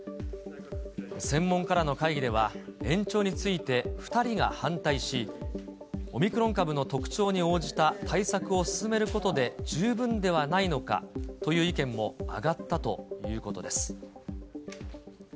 専門家らの会議では延長について２人が反対し、オミクロン株の特徴に応じた対策を進めることで十分ではないのかという意見も挙がったということです。